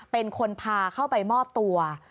เป็นคนพาเข้าไปมอบตัว